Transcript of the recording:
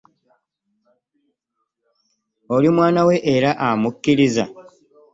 Oli mwana we era amukkiriza.